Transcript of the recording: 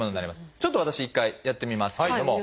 ちょっと私一回やってみますけれども。